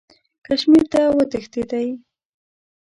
کشمیر ته وتښتېدی.